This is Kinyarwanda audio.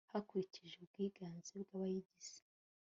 hakurikijwe ubwiganze bw abayigize